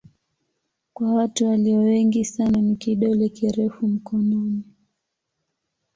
Kwa watu walio wengi sana ni kidole kirefu mkononi.